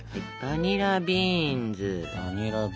バニラビーンズ。